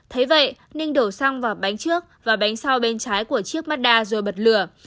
thế vậy ninh đổ xăng vào bánh trước và bánh sau bên trái của chiếc mazda rồi bật lửa